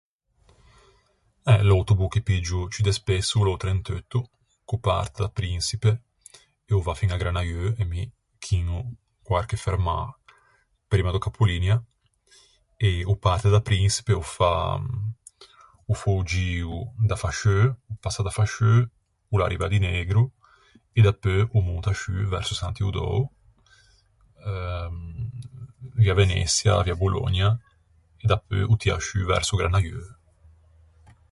Eh, l'autobo che piggio ciù de spesso o l'é o trent'eutto, ch'o parte da Prinçipe e o va fin à Granaieu, e mi chiño quarche fermâ primma do cappolinia. E o parte da Prinçipe, o fa, o fa o gio da Fasceu, o passa da Fasceu, o l'arriva à Dineigro e dapeu o monta sciù verso San Teodöo, euh, via Veneçia, via Bològna, e dapeu o tia sciù verso Granaieu.